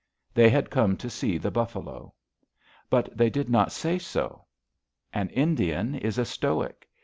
They had come to see the buffalo. But they did not say so. An Indian is a stoic.